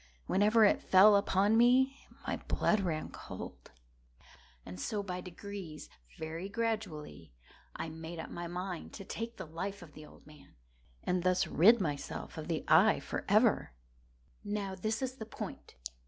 Whenever it fell upon me, my blood ran cold; and so by degrees—very gradually—I made up my mind to take the life of the old man, and thus rid myself of the eye forever. Now this is the point.